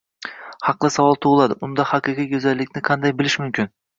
Haqli savol tug`iladi unda haqiqiy go`zallikni qanday bilish mumkin